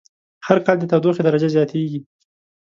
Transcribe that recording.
هر کال د تودوخی درجه زیاتیږی